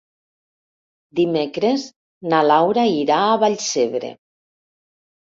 Dimecres na Laura irà a Vallcebre.